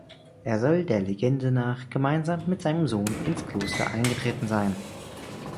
Er soll der Legende nach gemeinsam mit seinem Sohn ins Kloster eingetreten sein.